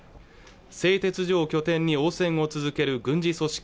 製鉄所を拠点に応戦を続ける軍事組織